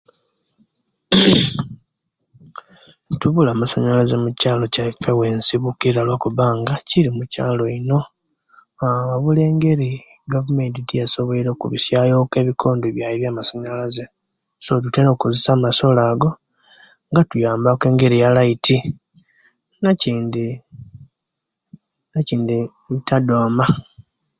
Tubula masanyalaze mukyalo kyaisu ekyensimukira olwokuba kiri mukyalo ino aah wabula engeri egavumenti ejeyasoboire okubitya yo'ebikondo byamasanyalaze so tutera okozesya amasola ago gatuyamba ku engeri ya light nekindi nekindi tadoma